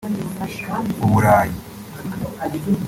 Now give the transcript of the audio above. u Burayi